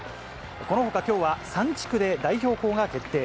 このほかきょうは、３地区で代表校が決定。